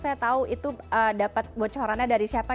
saya tahu itu dapat bocorannya dari siapa